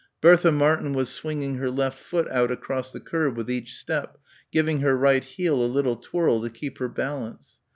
Bertha Martin was swinging her left foot out across the curb with each step, giving her right heel a little twirl to keep her balance.